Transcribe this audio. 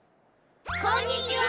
こんにちは！